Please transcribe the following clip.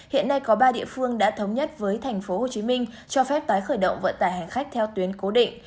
hiện nay có ba địa phương đã thống nhất với tp hcm cho phép tái khởi động vận tải hành khách theo tuyến cố định